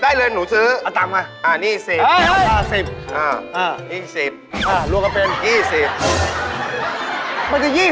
๒๐ได้เลยหนูซื้อ